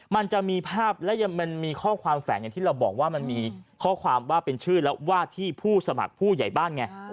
มันจะมีภาพและมันมีข้อความแฝงอย่างที่เราบอกว่ามันมีข้อความว่าเป็นชื่อแล้วว่าที่ผู้สมัครผู้ใหญ่บ้านไง